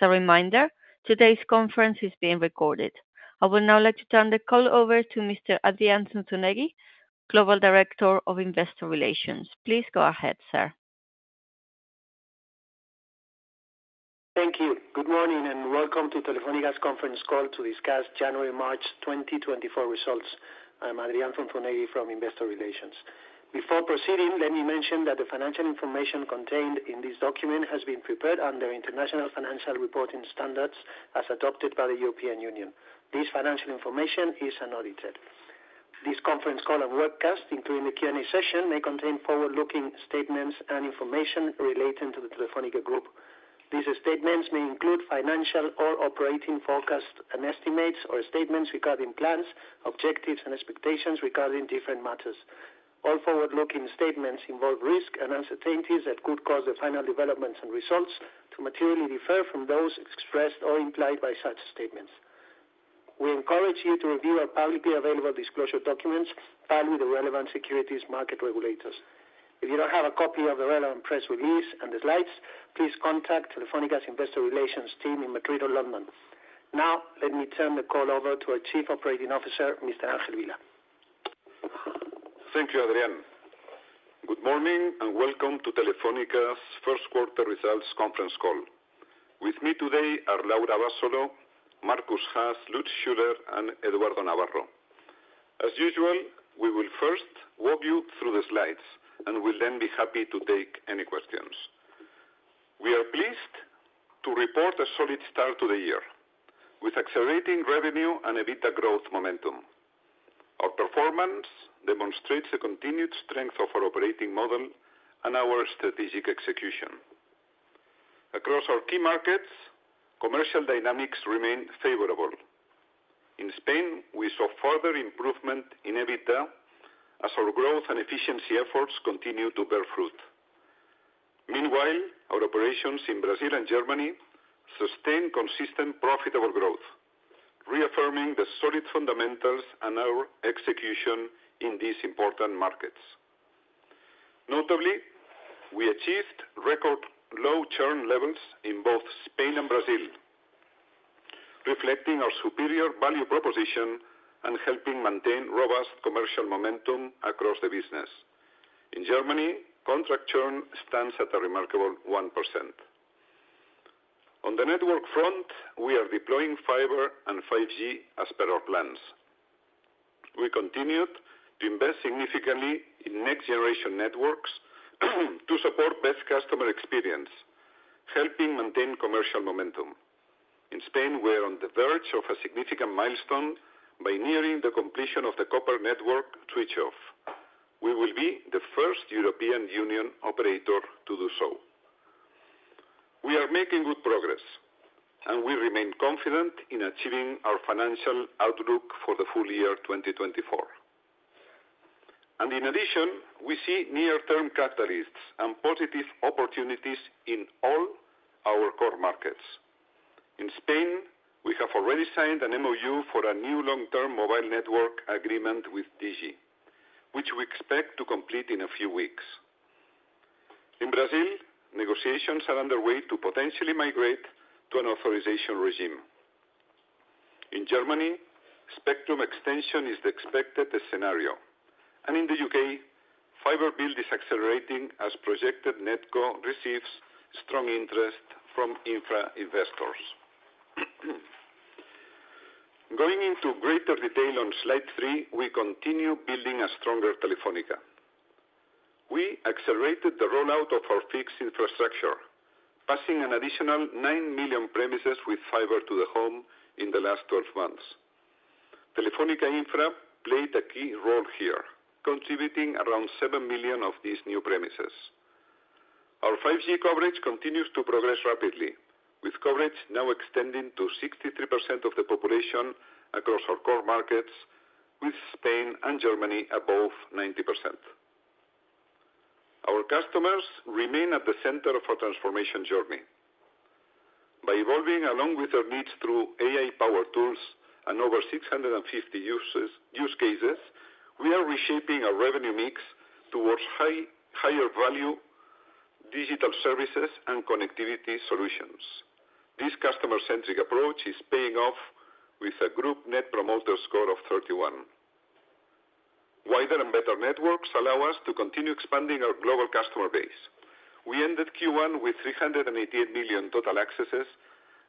A reminder: today's conference is being recorded. I would now like to turn the call over to Mr. Adrián Zunzunegui, Global Director of Investor Relations. Please go ahead, sir. Thank you. Good morning and welcome to Telefónica's conference call to discuss January-March 2024 results. I'm Adrián Zunzunegui from Investor Relations. Before proceeding, let me mention that the financial information contained in this document has been prepared under international financial reporting standards as adopted by the European Union. This financial information is unaudited. This conference call and webcast, including the Q&A session, may contain forward-looking statements and information relating to the Telefónica Group. These statements may include financial or operating forecasts and estimates, or statements regarding plans, objectives, and expectations regarding different matters. All forward-looking statements involve risk and uncertainties that could cause the final developments and results to materially differ from those expressed or implied by such statements. We encourage you to review our publicly available disclosure documents filed with the relevant securities market regulators. If you don't have a copy of the relevant press release and the slides, please contact Telefónica's Investor Relations team in Madrid or London. Now, let me turn the call over to our Chief Operating Officer, Mr. Ángel Vilá. Thank you, Adrián. Good morning and welcome to Telefónica's first quarter results conference call. With me today are Laura Abasolo, Markus Haas, Lutz Schüler, and Eduardo Navarro. As usual, we will first walk you through the slides and will then be happy to take any questions. We are pleased to report a solid start to the year, with accelerating revenue and EBITDA growth momentum. Our performance demonstrates the continued strength of our operating model and our strategic execution. Across our key markets, commercial dynamics remain favorable. In Spain, we saw further improvement in EBITDA as our growth and efficiency efforts continue to bear fruit. Meanwhile, our operations in Brazil and Germany sustain consistent profitable growth, reaffirming the solid fundamentals and our execution in these important markets. Notably, we achieved record low churn levels in both Spain and Brazil, reflecting our superior value proposition and helping maintain robust commercial momentum across the business. In Germany, contract churn stands at a remarkable 1%. On the network front, we are deploying fiber and 5G as per our plans. We continued to invest significantly in next-generation networks to support best customer experience, helping maintain commercial momentum. In Spain, we are on the verge of a significant milestone by nearing the completion of the copper network switch-off. We will be the first European Union operator to do so. We are making good progress, and we remain confident in achieving our financial outlook for the full year 2024. In addition, we see near-term catalysts and positive opportunities in all our core markets. In Spain, we have already signed an MOU for a new long-term mobile network agreement with Digi, which we expect to complete in a few weeks. In Brazil, negotiations are underway to potentially migrate to an authorization regime. In Germany, spectrum extension is the expected scenario, and in the U.K., fiber build is accelerating as projected NetCo receives strong interest from infra investors. Going into greater detail on slide three, we continue building a stronger Telefónica. We accelerated the rollout of our fixed infrastructure, passing an additional nine million premises with fiber to the home in the last 12 months. Telefónica Infra played a key role here, contributing around seven million of these new premises. Our 5G coverage continues to progress rapidly, with coverage now extending to 63% of the population across our core markets, with Spain and Germany above 90%. Our customers remain at the center of our transformation journey. By evolving along with their needs through AI-powered tools and over 650 use cases, we are reshaping our revenue mix towards higher value digital services and connectivity solutions. This customer-centric approach is paying off with a group net promoter score of 31. Wider and better networks allow us to continue expanding our global customer base. We ended Q1 with 388 million total accesses,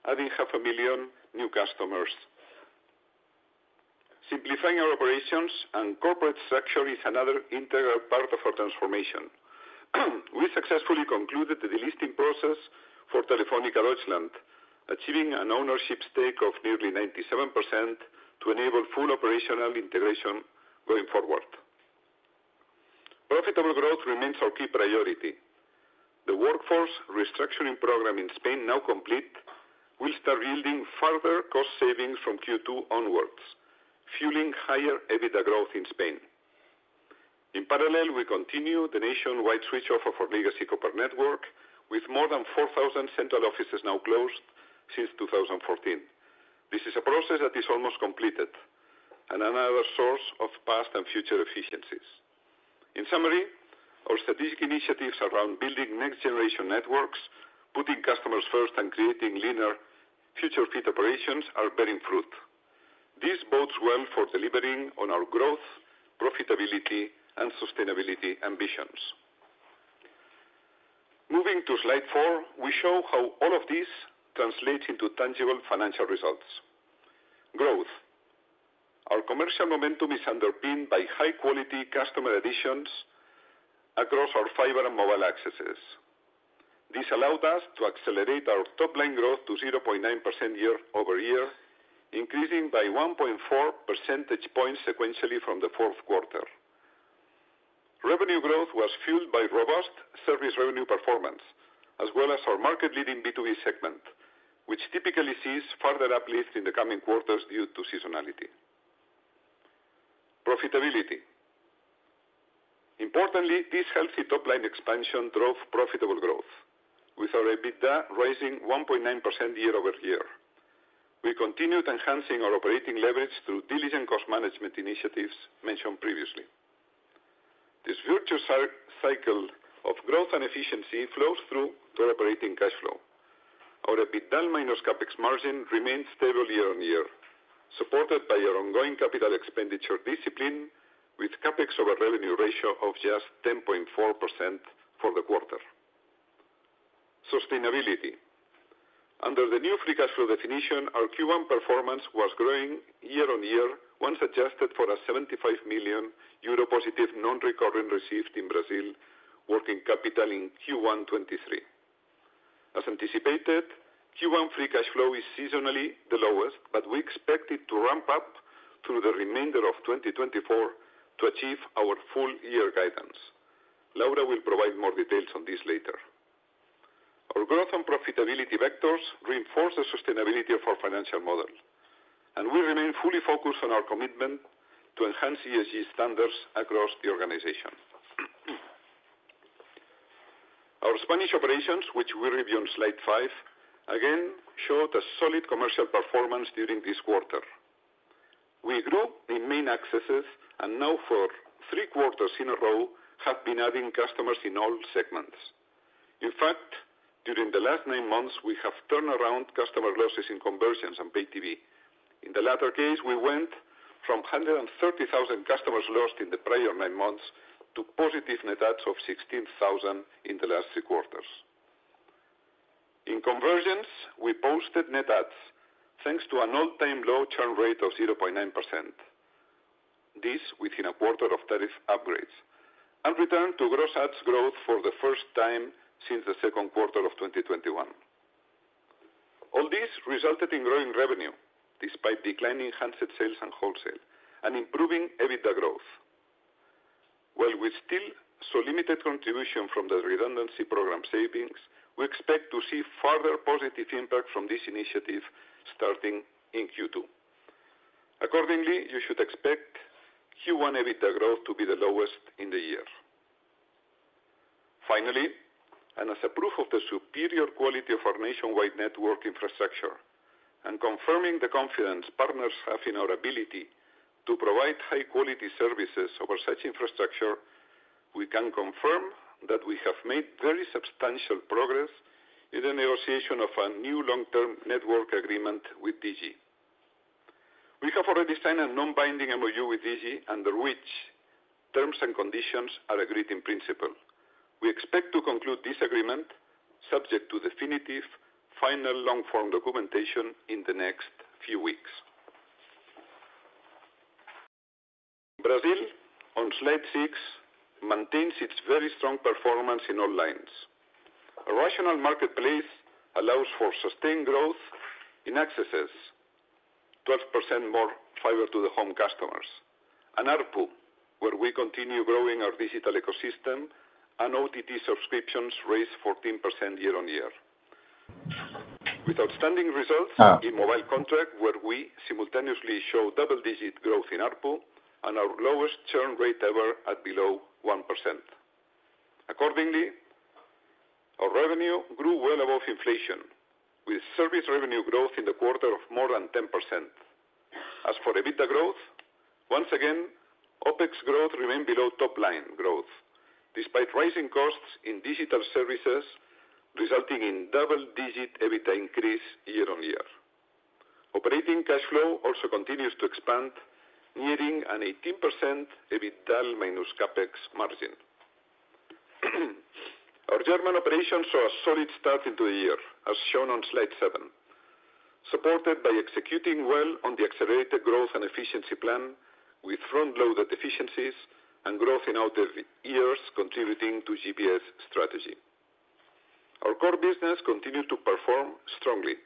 adding 500,000 new customers. Simplifying our operations and corporate structure is another integral part of our transformation. We successfully concluded the delisting process for Telefónica Deutschland, achieving an ownership stake of nearly 97% to enable full operational integration going forward. Profitable growth remains our key priority. The workforce restructuring program in Spain, now complete, will start building further cost savings from Q2 onwards, fueling higher EBITDA growth in Spain. In parallel, we continue the nationwide switch-off of our legacy copper network, with more than 4,000 central offices now closed since 2014. This is a process that is almost completed, and another source of past and future efficiencies. In summary, our strategic initiatives around building next-generation networks, putting customers first, and creating leaner future-fit operations are bearing fruit. This bodes well for delivering on our growth, profitability, and sustainability ambitions. Moving to Slide 4, we show how all of this translates into tangible financial results. Growth. Our commercial momentum is underpinned by high-quality customer additions across our fiber and mobile accesses. This allowed us to accelerate our top-line growth to 0.9% year-over-year, increasing by 1.4 percentage points sequentially from the fourth quarter. Revenue growth was fueled by robust service revenue performance, as well as our market-leading B2B segment, which typically sees further uplift in the coming quarters due to seasonality. Profitability. Importantly, this healthy top-line expansion drove profitable growth, with our EBITDA rising 1.9% year-over-year. We continued enhancing our operating leverage through diligent cost management initiatives mentioned previously. This virtuous cycle of growth and efficiency flows through to our operating cash flow. Our EBITDA minus CapEx margin remained stable year-on-year, supported by our ongoing capital expenditure discipline, with CapEx over revenue ratio of just 10.4% for the quarter. Sustainability. Under the new free cash flow definition, our Q1 performance was growing year-on-year once adjusted for a 75 million euro positive non-recurring received in Brazil working capital in Q1 2023. As anticipated, Q1 free cash flow is seasonally the lowest, but we expect it to ramp up through the remainder of 2024 to achieve our full-year guidance. Laura will provide more details on this later. Our growth and profitability vectors reinforce the sustainability of our financial model, and we remain fully focused on our commitment to enhance ESG standards across the organization. Our Spanish operations, which we review on Slide 5, again showed a solid commercial performance during this quarter. We grew in main accesses and now, for three quarters in a row, have been adding customers in all segments. In fact, during the last nine months, we have turned around customer losses in convergences and pay TV. In the latter case, we went from 130,000 customers lost in the prior nine months to positive net adds of 16,000 in the last three quarters. In converged, we posted net adds thanks to an all-time low churn rate of 0.9%, this within a quarter of tariff upgrades, and returned to gross adds growth for the first time since the second quarter of 2021. All this resulted in growing revenue despite declining handset sales and wholesale, and improving EBITDA growth. While we still saw limited contribution from the redundancy program savings, we expect to see further positive impact from this initiative starting in Q2. Accordingly, you should expect Q1 EBITDA growth to be the lowest in the year. Finally, as a proof of the superior quality of our nationwide network infrastructure and confirming the confidence partners have in our ability to provide high-quality services over such infrastructure, we can confirm that we have made very substantial progress in the negotiation of a new long-term network agreement with Digi. We have already signed a non-binding MOU with Digi under which terms and conditions are agreed in principle. We expect to conclude this agreement subject to definitive, final long-form documentation in the next few weeks. Brazil, on Slide 6, maintains its very strong performance in all lines. A rational marketplace allows for sustained growth in accesses, 12% more fiber to the home customers, and ARPU, where we continue growing our digital ecosystem, and OTT subscriptions raise 14% year-on-year. With outstanding results in mobile contract, where we simultaneously show double-digit growth in ARPU and our lowest churn rate ever at below 1%. Accordingly, our revenue grew well above inflation, with service revenue growth in the quarter of more than 10%. As for EBITDA growth, once again, OpEx growth remained below top-line growth despite rising costs in digital services, resulting in double-digit EBITDA increase year-over-year. Operating cash flow also continues to expand, nearing an 18% EBITDA minus CapEx margin. Our German operations saw a solid start into the year, as shown on Slide 7, supported by executing well on the accelerated growth and efficiency plan with front-loaded efficiencies and growth in outer years contributing to GPS strategy. Our core business continued to perform strongly,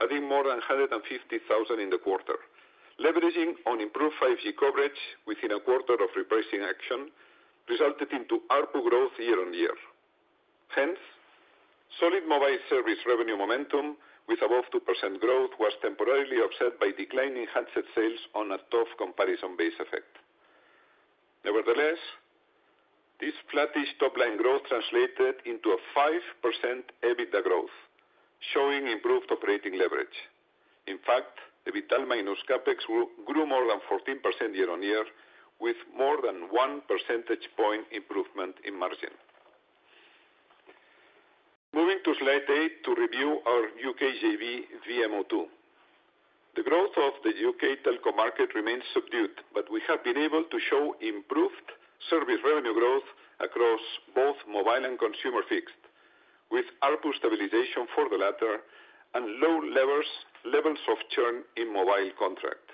adding more than 150,000 in the quarter. Leveraging on improved 5G coverage within a quarter of repricing action resulted in ARPU growth year-over-year. Hence, solid mobile service revenue momentum with above 2% growth was temporarily upset by declining handset sales on a tough comparison-based effect. Nevertheless, this flattish top-line growth translated into a 5% EBITDA growth, showing improved operating leverage. In fact, EBITDA minus CapEx grew more than 14% year-over-year, with more than 1 percentage point improvement in margin. Moving to Slide 8 to review our U.K. JV VMO2. The growth of the U.K. telco market remains subdued, but we have been able to show improved service revenue growth across both mobile and consumer fixed, with ARPU stabilization for the latter and low levels of churn in mobile contract.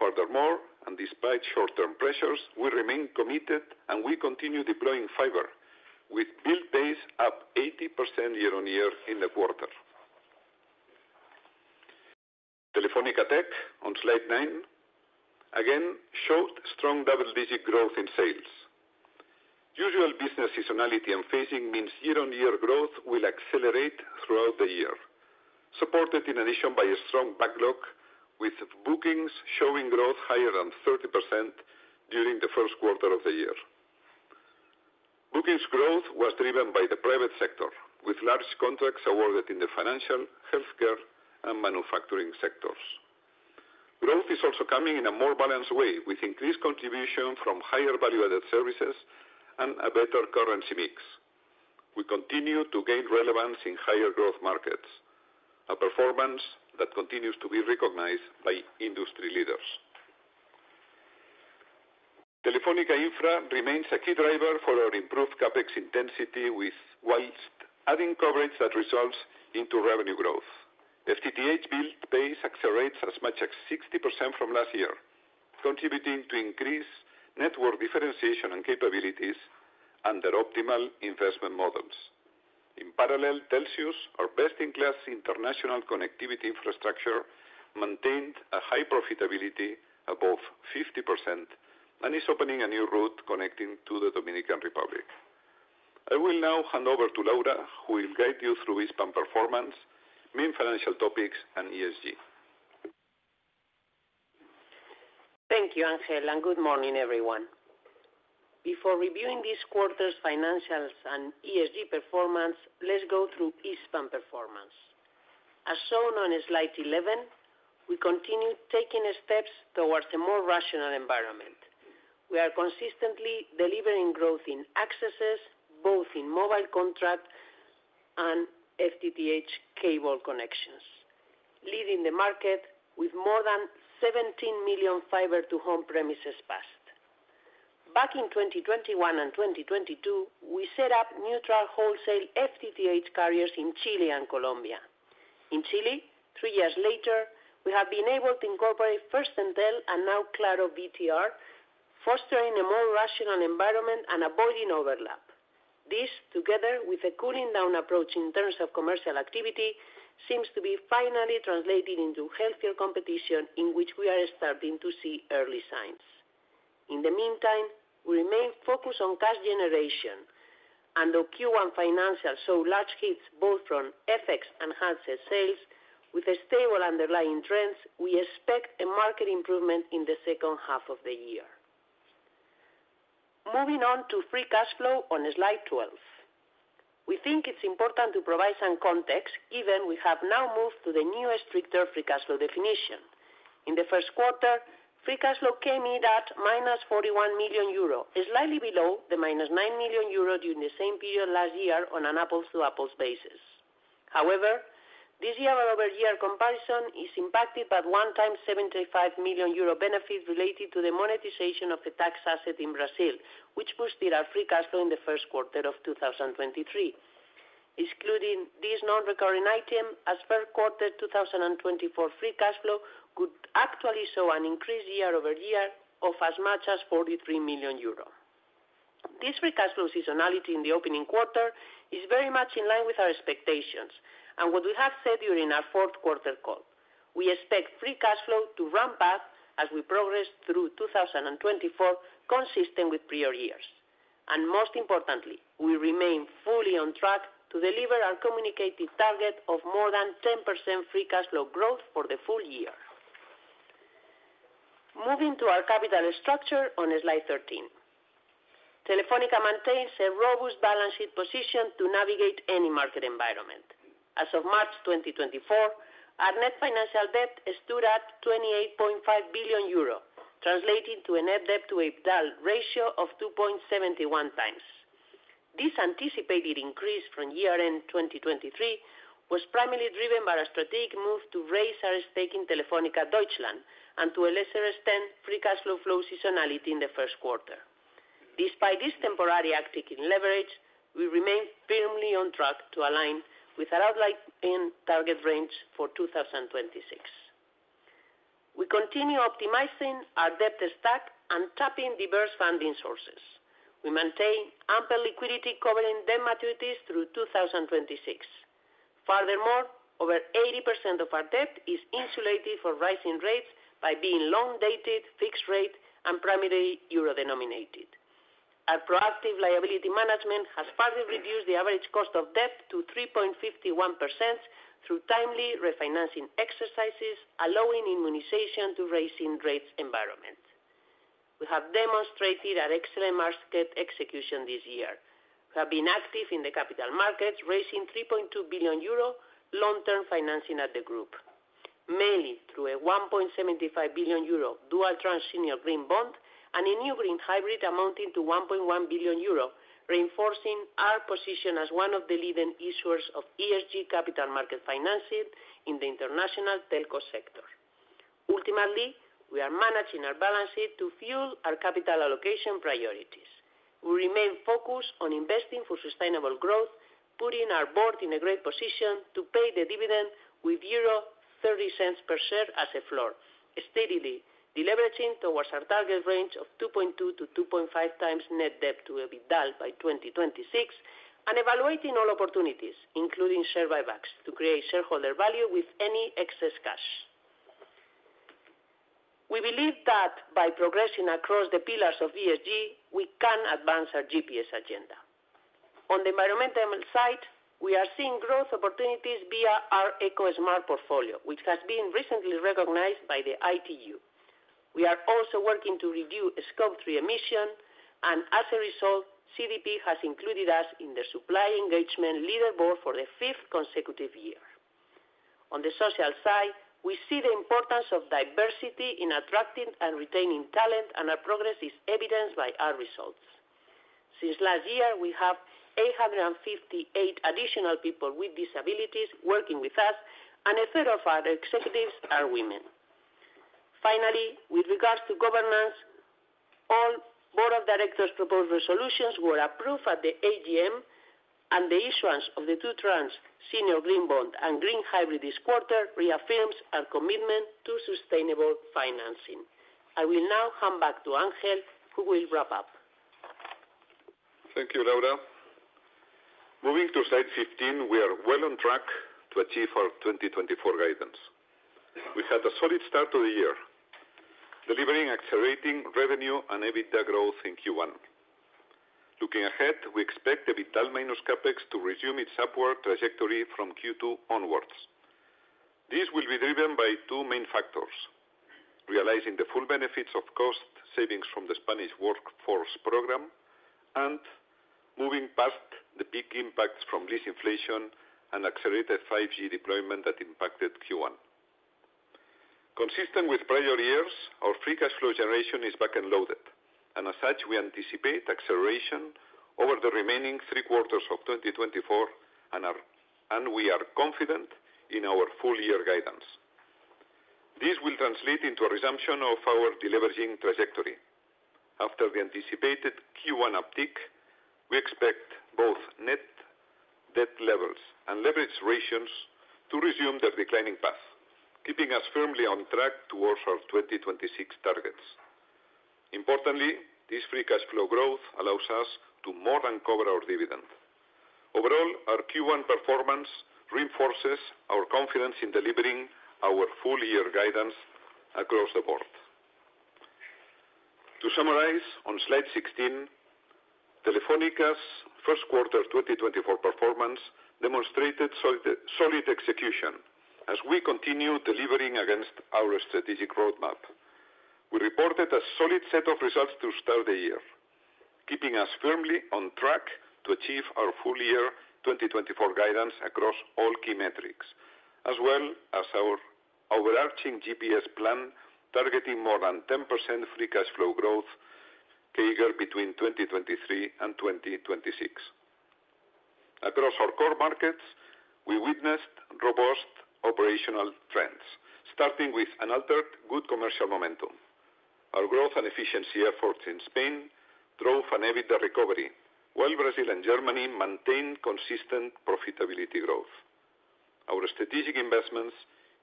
Furthermore, and despite short-term pressures, we remain committed and we continue deploying fiber, with build pace up 80% year-on-year in the quarter. Telefónica Tech, on Slide 9, again showed strong double-digit growth in sales. Usual business seasonality and phasing means year-on-year growth will accelerate throughout the year, supported in addition by a strong backlog with bookings showing growth higher than 30% during the first quarter of the year. Bookings growth was driven by the private sector, with large contracts awarded in the financial, healthcare, and manufacturing sectors. Growth is also coming in a more balanced way, with increased contribution from higher value-added services and a better currency mix. We continue to gain relevance in higher growth markets, a performance that continues to be recognized by industry leaders. Telefónica Infra remains a key driver for our improved CapEx intensity while adding coverage that results into revenue growth. FTTH build pace accelerates as much as 60% from last year, contributing to increased network differentiation and capabilities under optimal investment models. In parallel, Telxius, our best-in-class international connectivity infrastructure, maintained a high profitability above 50% and is opening a new route connecting to the Dominican Republic. I will now hand over to Laura, who will guide you through Hispam performance, main financial topics, and ESG. Thank you, Ángel, and good morning, everyone. Before reviewing this quarter's financials and ESG performance, let's go through Hispam performance. As shown on Slide 11, we continue taking steps towards a more rational environment. We are consistently delivering growth in accesses, both in mobile contract and FTTH cable connections, leading the market with more than 17 million fiber-to-home premises passed. Back in 2021 and 2022, we set up neutral wholesale FTTH carriers in Chile and Colombia. In Chile, three years later, we have been able to incorporate first Entel and now ClaroVTR, fostering a more rational environment and avoiding overlap. This, together with a cooling-down approach in terms of commercial activity, seems to be finally translating into healthier competition in which we are starting to see early signs. In the meantime, we remain focused on cash generation, and though Q1 financials saw large hits both from FX and handset sales, with stable underlying trends, we expect a market improvement in the second half of the year. Moving on to free cash flow on Slide 12. We think it's important to provide some context, given we have now moved to the newest stricter free cash flow definition. In the first quarter, free cash flow came in at -41 million euro, slightly below the -9 million euro during the same period last year on an apples-to-apples basis. However, this year-over-year comparison is impacted by one-time 75 million euro benefit related to the monetization of the tax asset in Brazil, which boosted our free cash flow in the first quarter of 2023. Excluding this non-recurring item, as per quarter 2024 free cash flow could actually show an increased year-over-year of as much as 43 million euros. This free cash flow seasonality in the opening quarter is very much in line with our expectations and what we have said during our fourth quarter call. We expect free cash flow to ramp up as we progress through 2024 consistent with prior years. Most importantly, we remain fully on track to deliver our communicated target of more than 10% free cash flow growth for the full year. Moving to our capital structure on Slide 13. Telefónica maintains a robust balance sheet position to navigate any market environment. As of March 2024, our net financial debt stood at 28.5 billion euro, translating to a net debt-to-EBITDA ratio of 2.71 times. This anticipated increase from year-end 2023 was primarily driven by a strategic move to raise our stake in Telefónica Deutschland and to a lesser extent free cash flow seasonality in the first quarter. Despite this temporary uptick in leverage, we remain firmly on track to align with our outlined target range for 2026. We continue optimizing our debt stack and tapping diverse funding sources. We maintain ample liquidity covering debt maturities through 2026. Furthermore, over 80% of our debt is insulated for rising rates by being long-dated, fixed-rate, and primarily euro-denominated. Our proactive liability management has further reduced the average cost of debt to 3.51% through timely refinancing exercises, allowing immunization to rising rates environments. We have demonstrated our excellent market execution this year. We have been active in the capital markets, raising 3.2 billion euro long-term financing at the group, mainly through a 1.75 billion euro dual tranche-senior green bond and a new green hybrid amounting to 1.1 billion euro, reinforcing our position as one of the leading issuers of ESG capital market financing in the international telco sector. Ultimately, we are managing our balance sheet to fuel our capital allocation priorities. We remain focused on investing for sustainable growth, putting our board in a great position to pay the dividend with 0.30 per share as a floor, steadily deleveraging towards our target range of 2.2x-2.5x net debt to EBITDA by 2026, and evaluating all opportunities, including share buybacks, to create shareholder value with any excess cash. We believe that by progressing across the pillars of ESG, we can advance our GPS agenda. On the environmental side, we are seeing growth opportunities via our Eco Smart portfolio, which has been recently recognized by the ITU. We are also working to review Scope 3 emissions, and as a result, CDP has included us in the Supply Engagement Leaderboard for the fifth consecutive year. On the social side, we see the importance of diversity in attracting and retaining talent, and our progress is evidenced by our results. Since last year, we have 858 additional people with disabilities working with us, and a third of our executives are women. Finally, with regards to governance, all Board of Directors proposed resolutions were approved at the AGM, and the issuance of the two-tranche senior green bond and green hybrid this quarter reaffirms our commitment to sustainable financing. I will now hand back to Ángel, who will wrap up. Thank you, Laura. Moving to Slide 15, we are well on track to achieve our 2024 guidance. We had a solid start to the year, delivering accelerating revenue and EBITDA growth in Q1. Looking ahead, we expect EBITDA minus CapEx to resume its upward trajectory from Q2 onwards. This will be driven by two main factors: realizing the full benefits of cost savings from the Spanish Workforce Program and moving past the peak impacts from disinflation and accelerated 5G deployment that impacted Q1. Consistent with prior years, our free cash flow generation is back and loaded, and as such, we anticipate acceleration over the remaining three quarters of 2024, and we are confident in our full-year guidance. This will translate into a resumption of our deleveraging trajectory. After the anticipated Q1 uptick, we expect both net debt levels and leverage ratios to resume their declining path, keeping us firmly on track towards our 2026 targets. Importantly, this free cash flow growth allows us to more than cover our dividend. Overall, our Q1 performance reinforces our confidence in delivering our full-year guidance across the board. To summarize, on Slide 16, Telefónica's first quarter 2024 performance demonstrated solid execution as we continue delivering against our strategic roadmap. We reported a solid set of results to start the year, keeping us firmly on track to achieve our full-year 2024 guidance across all key metrics, as well as our overarching GPS plan targeting more than 10% free cash flow growth triggered between 2023 and 2026. Across our core markets, we witnessed robust operational trends, starting with unaltered good commercial momentum. Our growth and efficiency efforts in Spain drove an EBITDA recovery, while Brazil and Germany maintained consistent profitability growth. Our strategic investments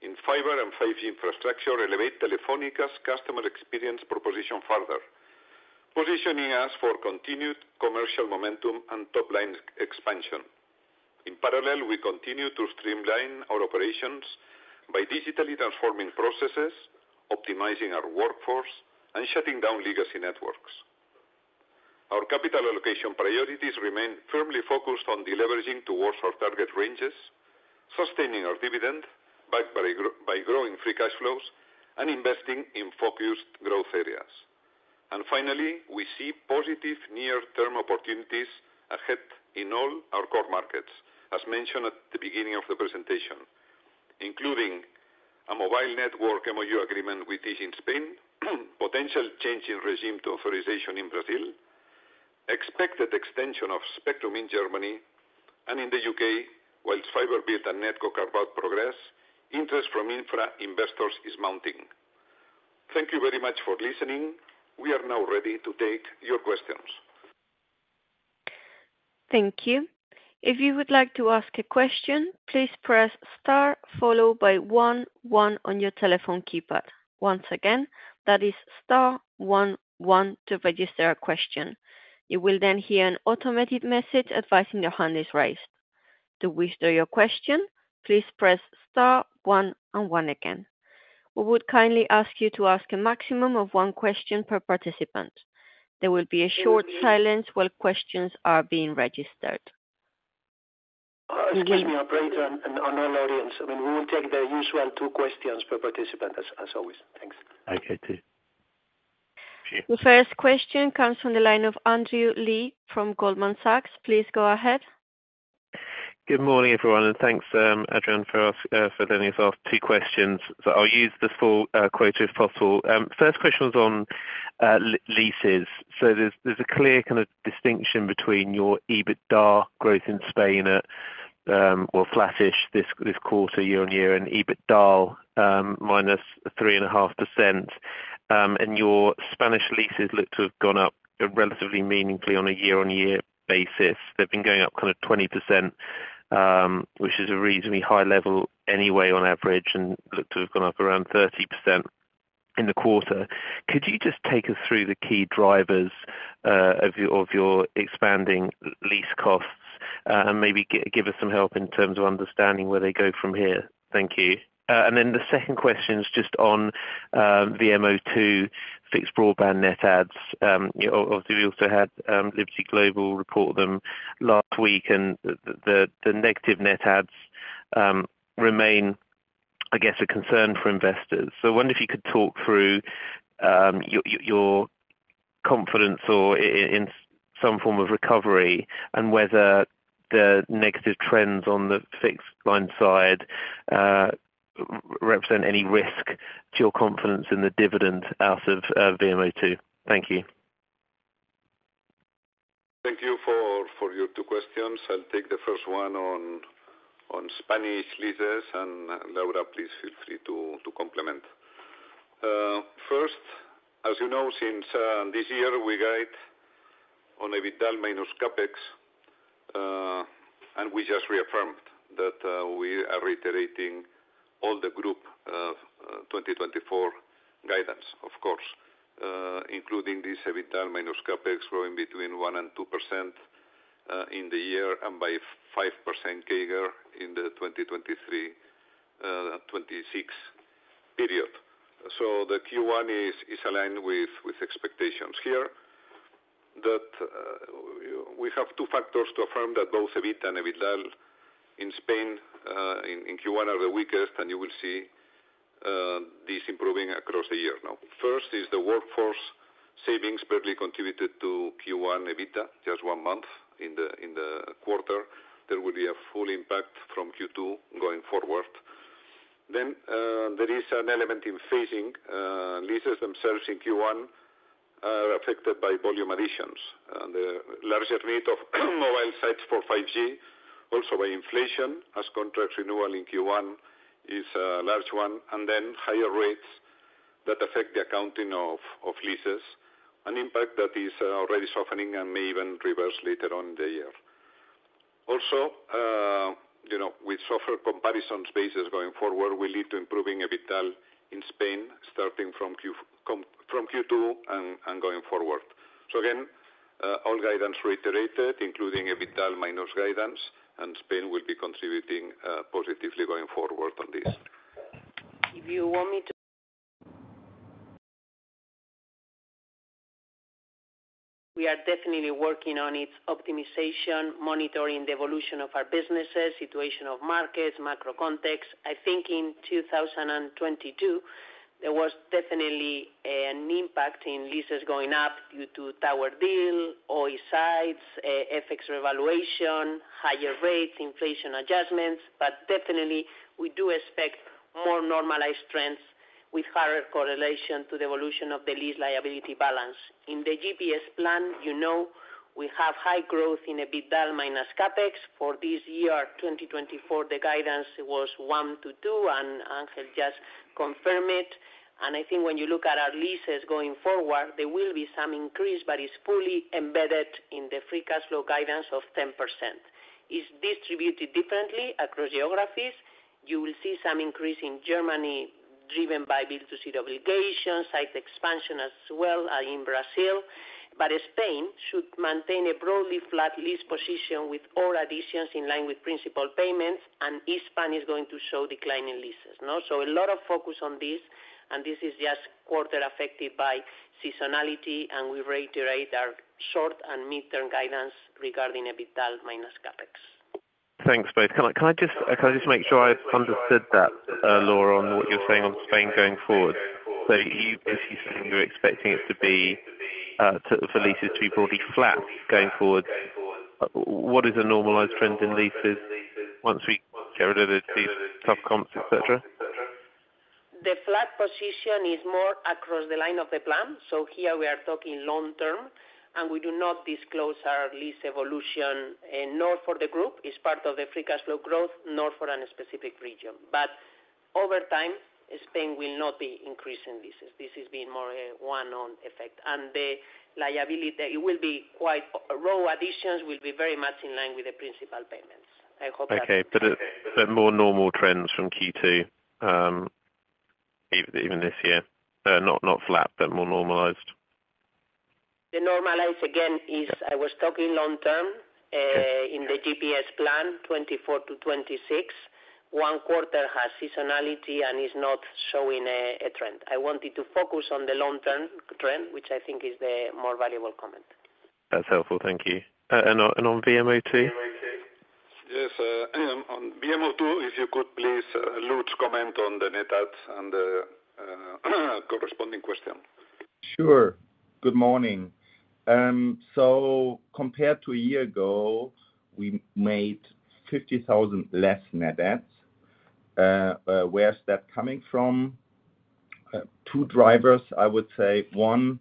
in fiber and 5G infrastructure elevate Telefónica's customer experience proposition further, positioning us for continued commercial momentum and top-line expansion. In parallel, we continue to streamline our operations by digitally transforming processes, optimizing our workforce, and shutting down legacy networks. Our capital allocation priorities remain firmly focused on deleveraging towards our target ranges, sustaining our dividend backed by growing free cash flows, and investing in focused growth areas. And finally, we see positive near-term opportunities ahead in all our core markets, as mentioned at the beginning of the presentation, including a mobile network MOU agreement with Digi in Spain, potential change in regime to authorization in Brazil, expected extension of spectrum in Germany, and in the U.K., while fiber build and network are about progress, interest from infra investors is mounting. Thank you very much for listening. We are now ready to take your questions. Thank you. If you would like to ask a question, please press star, followed by one one on your telephone keypad. Once again, that is star one one to register a question. You will then hear an automated message advising your hand is raised. To ask your question, please press star one and one again. We would kindly ask you to ask a maximum of one question per participant. There will be a short silence while questions are being registered. Excuse me, I'm afraid, to all audience. I mean, we will take the usual two questions per participant, as always. Thanks. Okay, too. The first question comes from the line of Andrew Lee from Goldman Sachs. Please go ahead. Good morning, everyone, and thanks, Adrián, for letting us ask two questions. I'll use this full quota if possible. First question was on leases. So there's a clear kind of distinction between your EBITDA growth in Spain at, well, flattish this quarter, year-on-year, and EBITDA minus 3.5%. And your Spanish leases look to have gone up relatively meaningfully on a year-on-year basis. They've been going up kind of 20%, which is a reasonably high level anyway on average, and look to have gone up around 30% in the quarter. Could you just take us through the key drivers of your expanding lease costs and maybe give us some help in terms of understanding where they go from here? Thank you. And then the second question is just on the VMO2, fixed broadband net adds. Obviously, we also had Liberty Global report them last week, and the negative net adds remain, I guess, a concern for investors. So I wonder if you could talk through your confidence in some form of recovery and whether the negative trends on the fixed line side represent any risk to your confidence in the dividend out of the VMO2. Thank you. Thank you for your two questions. I'll take the first one on Spanish leases, and Laura, please feel free to complement. First, as you know, since this year, we guide on EBITDA minus CapEx, and we just reaffirmed that we are reiterating all the group 2024 guidance, of course, including this EBITDA minus CapEx growing between 1% and 2% in the year and by 5% trigger in the 2023-2026 period. So the Q1 is aligned with expectations here. We have two factors to affirm that both EBIT and EBITDA in Spain in Q1 are the weakest, and you will see this improving across the year now. First is the workforce savings barely contributed to Q1 EBITDA, just one month in the quarter. There will be a full impact from Q2 going forward. Then there is an element in phasing. Leases themselves in Q1 are affected by volume additions, the larger need of mobile sites for 5G, also by inflation, as contract renewal in Q1 is a large one, and then higher rates that affect the accounting of leases, an impact that is already softening and may even reverse later on in the year. Also, with softer comparisons basis going forward, we lead to improving EBITDA in Spain starting from Q2 and going forward. So again, all guidance reiterated, including EBITDA minus guidance, and Spain will be contributing positively going forward on this. If you want me to, we are definitely working on its optimization, monitoring the evolution of our businesses, situation of markets, macro context. I think in 2022, there was definitely an impact in leases going up due to Tower Deal, O2 sites, FX revaluation, higher rates, inflation adjustments, but definitely, we do expect more normalized trends with higher correlation to the evolution of the lease liability balance. In the GPS plan, you know, we have high growth in EBITDA minus CapEx. For this year, 2024, the guidance was 1%-2%, and Ángel just confirmed it. And I think when you look at our leases going forward, there will be some increase, but it's fully embedded in the free cash flow guidance of 10%. It's distributed differently across geographies. You will see some increase in Germany driven by B2C obligations, site expansion as well in Brazil, but Spain should maintain a broadly flat lease position with all additions in line with principal payments, and Hispam is going to show declining leases, no? So a lot of focus on this, and this is just quarter affected by seasonality, and we reiterate our short- and mid-term guidance regarding EBITDA minus CapEx. Thanks, both. Can I just make sure I've understood that, Laura, on what you're saying on Spain going forward? So if you're expecting it to be for leases to be broadly flat going forward, what is a normalized trend in leases once we get rid of these tough comps, etc.? The flat position is more across the line of the plan. So here we are talking long-term, and we do not disclose our lease evolution, nor for the group. It's part of the free cash flow growth, nor for a specific region. But over time, Spain will not be increasing leases. This is being more a one-off effect. And it will be quite. Row additions will be very much in line with the principal payments. I hope that. Okay, but more normal trends from Q2, even this year. Not flat, but more normalized. The normalized, again, is I was talking long-term in the GPS plan, 2024-2026. One quarter has seasonality and is not showing a trend. I wanted to focus on the long-term trend, which I think is the more valuable comment. That's helpful. Thank you. And on VMO2? Yes. On VMO2, if you could please Lutz comment on the net ads and the corresponding question? Sure. Good morning. So compared to a year ago, we made 50,000 less net ads. Where's that coming from? Two drivers, I would say. One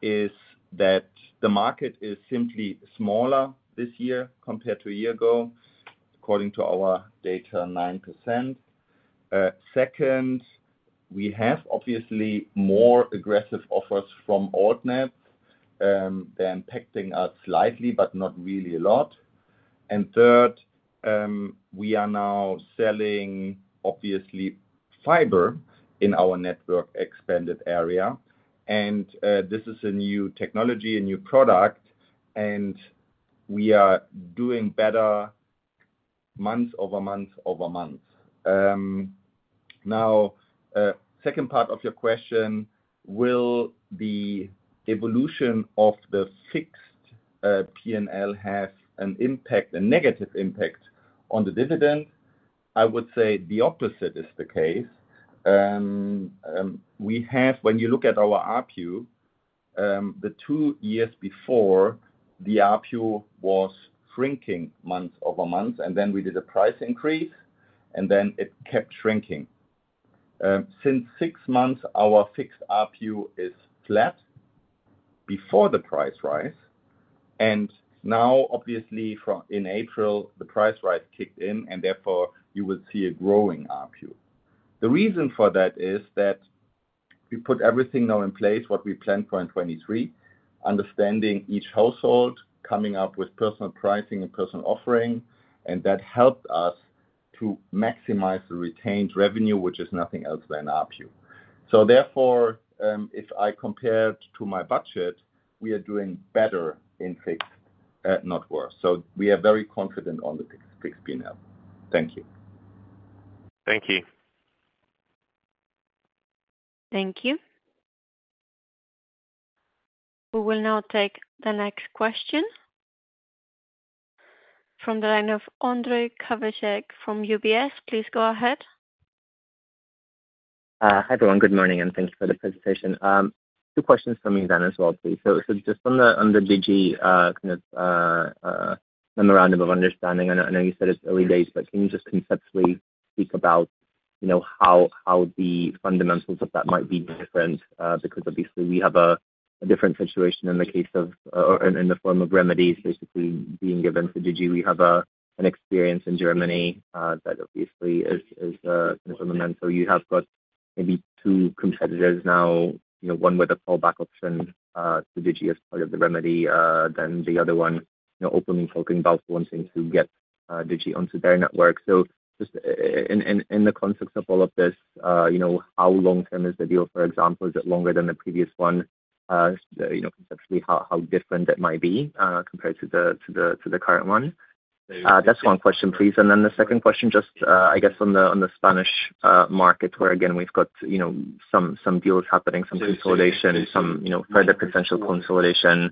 is that the market is simply smaller this year compared to a year ago, according to our data, 9%. Second, we have obviously more aggressive offers from AltNets than impacting us slightly, but not really a lot. Third, we are now selling, obviously, fiber in our network expanded area. This is a new technology, a new product, and we are doing better month-over-month. Now, second part of your question: Will the evolution of the fixed P&L have an impact, a negative impact on the dividend? I would say the opposite is the case. When you look at our ARPU, the two years before, the ARPU was shrinking month-over-month, and then we did a price increase, and then it kept shrinking. Since six months, our fixed ARPU is flat before the price rise. Now, obviously, in April, the price rise kicked in, and therefore, you will see a growing ARPU. The reason for that is that we put everything now in place, what we planned for in 2023, understanding each household, coming up with personal pricing and personal offering, and that helped us to maximize the retained revenue, which is nothing else than RPU. So therefore, if I compared to my budget, we are doing better in fixed, not worse. So we are very confident on the fixed P&L. Thank you. Thank you. Thank you. We will now take the next question. From the line of Ondrej Cabejšek from UBS, please go ahead. Hi everyone. Good morning, and thank you for the presentation. Two questions from you then as well, please. So just on the Digi kind of memorandum of understanding, I know you said it's early days, but can you just conceptually speak about how the fundamentals of that might be different? Because obviously, we have a different situation in the case of in the form of remedies basically being given to Digi. We have an experience in Germany that obviously is kind of fundamental. You have got maybe two competitors now, one with a fallback option to Digi as part of the remedy, then the other one opening TalkTalk and Vodafone for wanting to get Digi onto their network. Just in the context of all of this, how long-term is the deal? For example, is it longer than the previous one? Conceptually, how different that might be compared to the current one? That's one question, please. The second question, just I guess on the Spanish market where, again, we've got some deals happening, some consolidation, some further potential consolidation.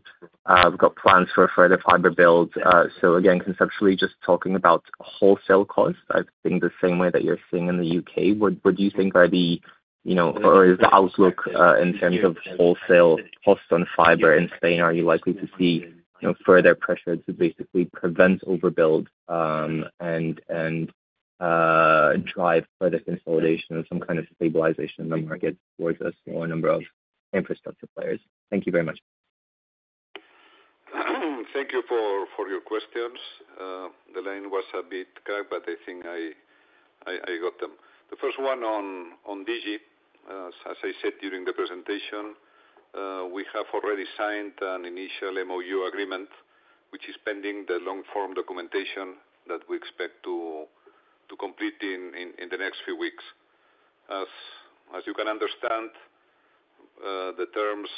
We've got plans for further fiber builds. So again, conceptually, just talking about wholesale costs, I think the same way that you're seeing in the U.K., what do you think are the or is the outlook in terms of wholesale costs on fiber in Spain? Are you likely to see further pressure to basically prevent overbuild and drive further consolidation and some kind of stabilization in the market towards a smaller number of infrastructure players? Thank you very much. Thank you for your questions. The line was a bit cracked, but I think I got them. The first one on Digi, as I said during the presentation, we have already signed an initial MOU agreement, which is pending the long-form documentation that we expect to complete in the next few weeks. As you can understand, the terms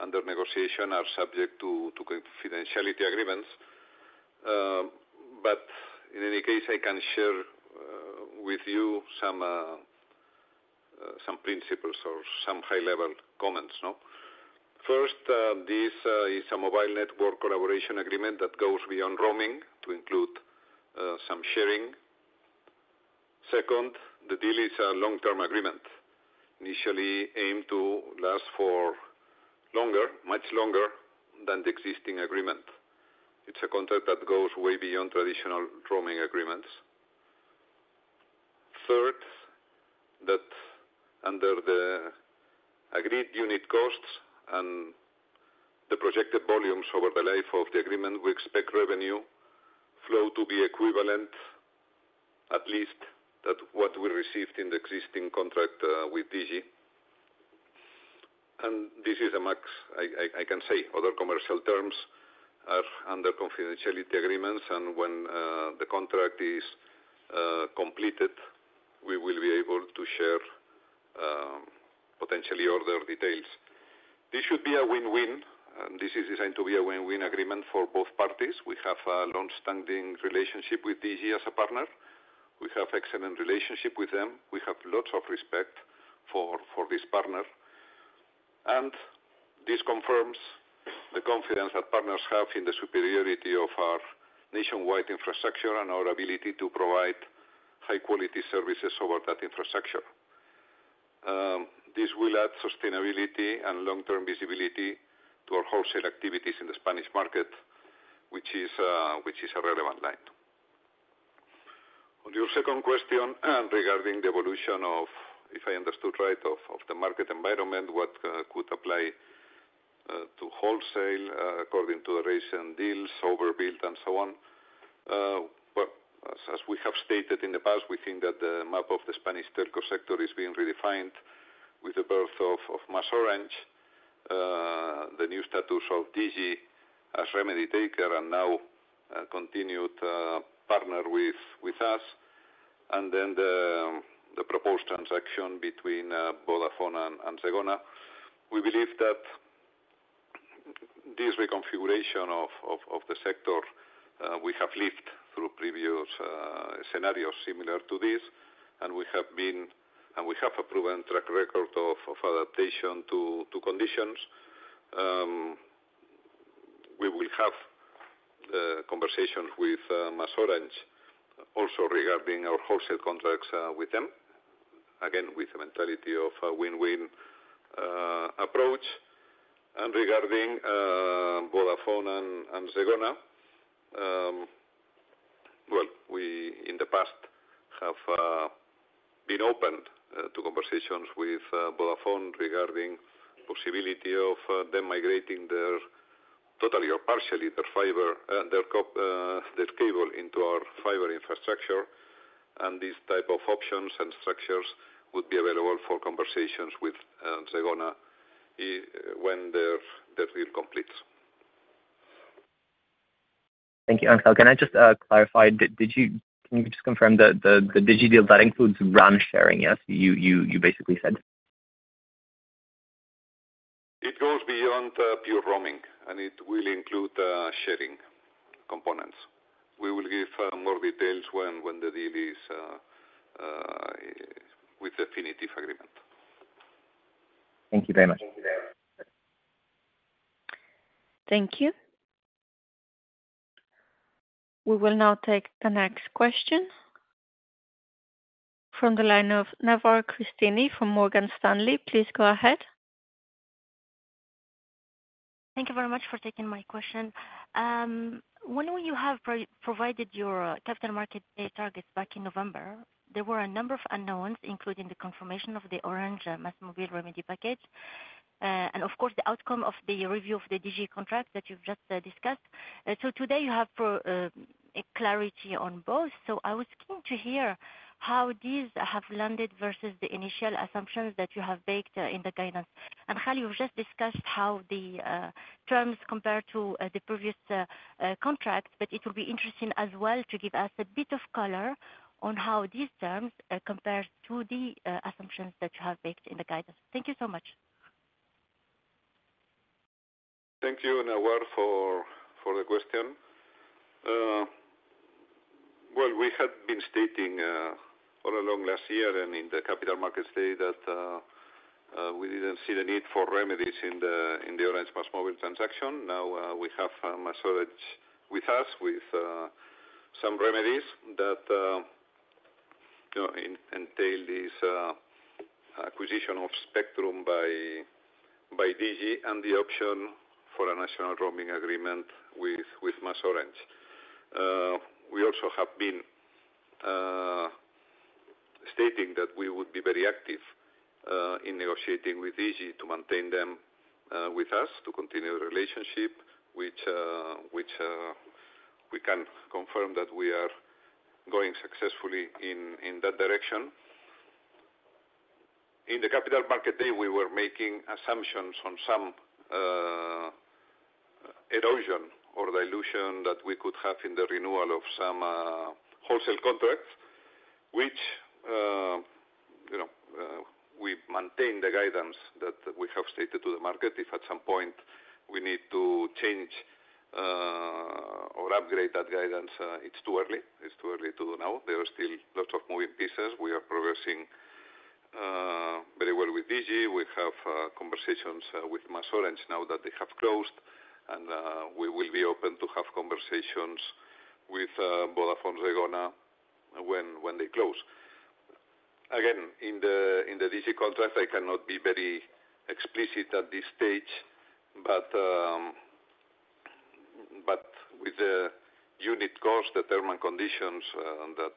under negotiation are subject to confidentiality agreements. But in any case, I can share with you some principles or some high-level comments, no? First, this is a mobile network collaboration agreement that goes beyond roaming to include some sharing. Second, the deal is a long-term agreement, initially aimed to last for longer, much longer than the existing agreement. It's a contract that goes way beyond traditional roaming agreements. Third, that under the agreed unit costs and the projected volumes over the life of the agreement, we expect revenue flow to be equivalent, at least, that what we received in the existing contract with Digi. And this is a max I can say. Other commercial terms are under confidentiality agreements, and when the contract is completed, we will be able to share potentially other details. This should be a win-win. This is designed to be a win-win agreement for both parties. We have a long-standing relationship with Digi as a partner. We have an excellent relationship with them. We have lots of respect for this partner. And this confirms the confidence that partners have in the superiority of our nationwide infrastructure and our ability to provide high-quality services over that infrastructure. This will add sustainability and long-term visibility to our wholesale activities in the Spanish market, which is a relevant line. On your second question regarding the evolution of, if I understood right, of the market environment, what could apply to wholesale according to the recent deals, overbuild, and so on? Well, as we have stated in the past, we think that the map of the Spanish telco sector is being redefined with the birth of MasOrange, the new status of Digi as remedy taker and now continued partner with us, and then the proposed transaction between Vodafone and Zegona. We believe that this reconfiguration of the sector, we have lived through previous scenarios similar to this, and we have been and we have a proven track record of adaptation to conditions. We will have conversations with MasOrange also regarding our wholesale contracts with them, again, with the mentality of a win-win approach. Regarding Vodafone and Zegona, well, we in the past have been open to conversations with Vodafone regarding the possibility of them migrating their totally or partially their cable into our fiber infrastructure. And these type of options and structures would be available for conversations with Zegona when their deal completes. Thank you, Ángel. Can I just clarify? Can you just confirm that the Digi deal, that includes RAN sharing, yes, you basically said? It goes beyond pure roaming, and it will include sharing components. We will give more details when the deal is with the definitive agreement. Thank you very much. Thank you. We will now take the next question. From the line of Nawar Cristini from Morgan Stanley, please go ahead. Thank you very much for taking my question. When you have provided your capital markets targets back in November, there were a number of unknowns, including the confirmation of the Orange MásMóvil remedy package and, of course, the outcome of the review of the Digi contract that you've just discussed. So today, you have clarity on both. So I was keen to hear how these have landed versus the initial assumptions that you have baked in the guidance. Ángel, you've just discussed how the terms compare to the previous contracts, but it will be interesting as well to give us a bit of color on how these terms compare to the assumptions that you have baked in the guidance. Thank you so much. Thank you, Nawar, for the question. Well, we had been stating all along last year and in the Capital Markets Day that we didn't see the need for remedies in the Orange MásMóvil transaction. Now, we have MasOrange with us with some remedies that entail this acquisition of Spectrum by Digi and the option for a national roaming agreement with MasOrange. We also have been stating that we would be very active in negotiating with Digi to maintain them with us, to continue the relationship, which we can confirm that we are going successfully in that direction. In the Capital Market Day, we were making assumptions on some erosion or dilution that we could have in the renewal of some wholesale contracts, which we maintain the guidance that we have stated to the market. If at some point we need to change or upgrade that guidance, it's too early. It's too early to do now. There are still lots of moving pieces. We are progressing very well with Digi. We have conversations with MasOrange now that they have closed, and we will be open to have conversations with Vodafone Zegona when they close. Again, in the Digi contract, I cannot be very explicit at this stage, but with the unit costs, the term and conditions that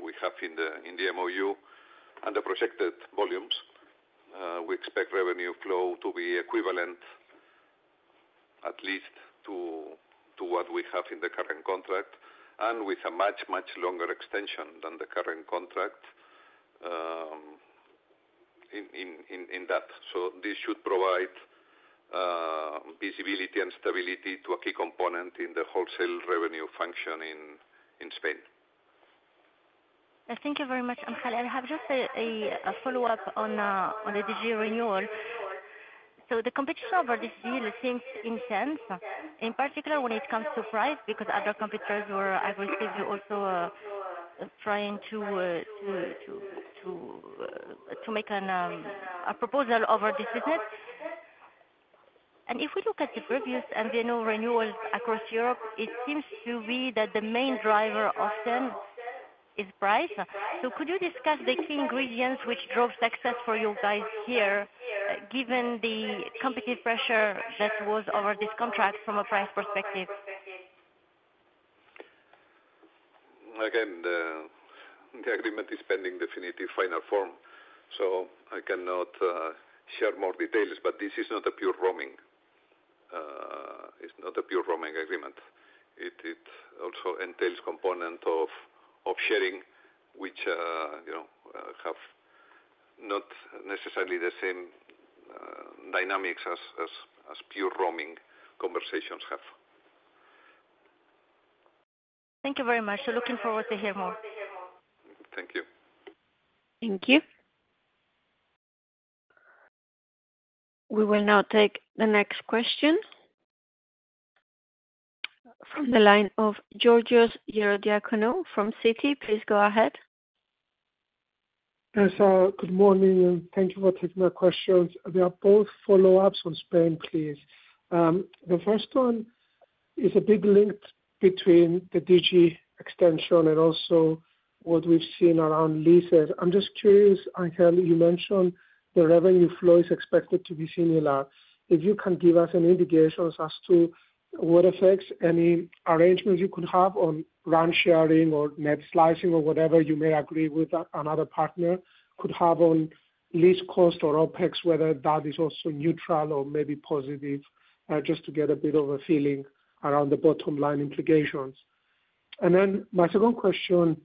we have in the MOU, and the projected volumes, we expect revenue flow to be equivalent, at least, to what we have in the current contract and with a much, much longer extension than the current contract in that. So this should provide visibility and stability to a key component in the wholesale revenue function in Spain. Thank you very much, Ángel. I have just a follow-up on the Digi renewal. So the competition over this deal seems intense, in particular when it comes to price because other competitors were aggressive, also trying to make a proposal over this business. And if we look at the previous MVNO renewals across Europe, it seems to be that the main driver often is price. So could you discuss the key ingredients which drove success for you guys here, given the competitive pressure that was over this contract from a price perspective? Again, the agreement is pending definitive final form, so I cannot share more details. But this is not a pure roaming. It's not a pure roaming agreement. It also entails components of sharing, which have not necessarily the same dynamics as pure roaming conversations have. Thank you very much. So looking forward to hear more. Thank you. Thank you. We will now take the next question from the line of Georgios Ierodiaconou from Citi. Please go ahead. Good morning, and thank you for taking my questions. They are both follow-ups on Spain, please. The first one is a big link between the Digi extension and also what we've seen around leases. I'm just curious, Ángel, you mentioned the revenue flow is expected to be similar. If you can give us indications as to what effects any arrangements you could have on RAN sharing or net slicing or whatever you may agree with another partner could have on lease cost or OpEx, whether that is also neutral or maybe positive, just to get a bit of a feeling around the bottom-line implications. And then my second question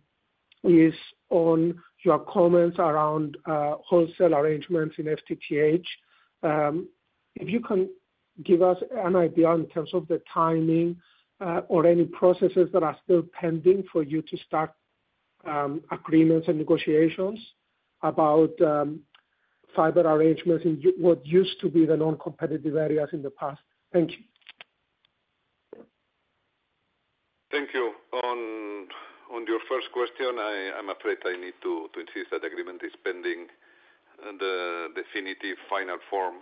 is on your comments around wholesale arrangements in FTTH. If you can give us an idea in terms of the timing or any processes that are still pending for you to start agreements and negotiations about fiber arrangements in what used to be the non-competitive areas in the past. Thank you. Thank you. On your first question, I'm afraid I need to insist that the agreement is pending the definitive final form.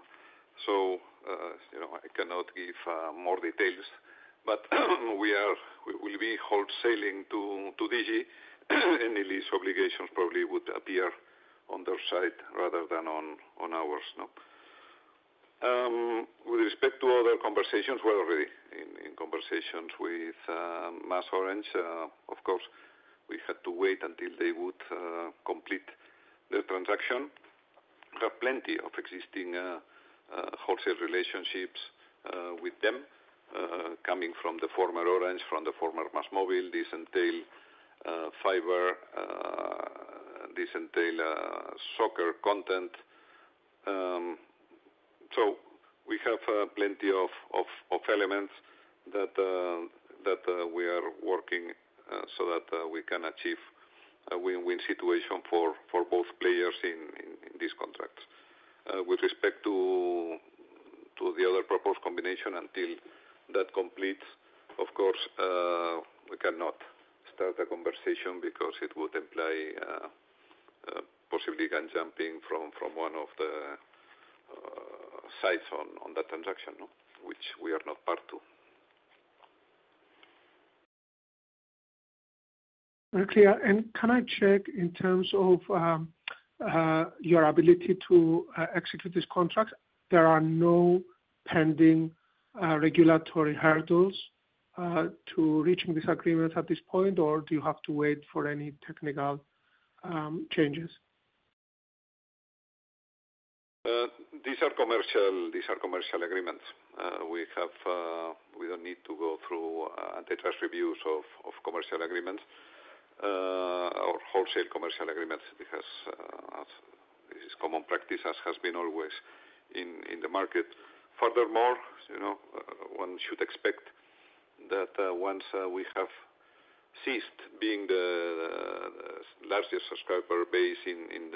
So I cannot give more details. But we will be wholesaling to Digi, and the lease obligations probably would appear on their side rather than on ours, no? With respect to other conversations, we're already in conversations with MasOrange. Of course, we had to wait until they would complete their transaction. We have plenty of existing wholesale relationships with them coming from the former Orange, from the former MásMóvil. This entails fiber. This entails soccer content. So we have plenty of elements that we are working so that we can achieve a win-win situation for both players in this contract. With respect to the other proposed combination, until that completes, of course, we cannot start a conversation because it would imply possibly gun-jumping from one of the sides on that transaction, which we are not part to. Clear. Can I check in terms of your ability to execute this contract? There are no pending regulatory hurdles to reaching this agreement at this point, or do you have to wait for any technical changes? These are commercial agreements. We don't need to go through antitrust reviews of commercial agreements or wholesale commercial agreements because this is common practice, as has been always in the market. Furthermore, one should expect that once we have ceased being the largest subscriber base in